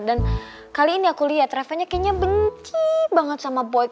dan kali ini aku lihat revanya kayaknya benci banget sama boy